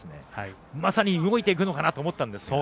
まさに動いていくのかなと思ったんですけども。